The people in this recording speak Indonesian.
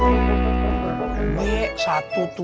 ini mobil bang muhyiddin